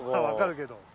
分かるけど。